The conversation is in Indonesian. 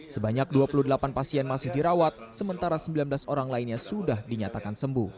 sebanyak dua puluh delapan pasien masih dirawat sementara sembilan belas orang lainnya sudah dinyatakan sembuh